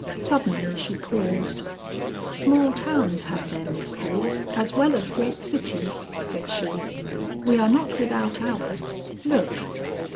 Suddenly she paused. "Small towns have their mysteries as well as great cities," said she; "we are not without ours, look."